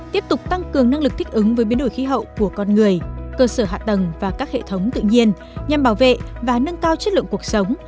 tiếp tục tăng cường năng lực thích ứng với biến đổi khí hậu của con người cơ sở hạ tầng và các hệ thống tự nhiên nhằm bảo vệ và nâng cao chất lượng cuộc sống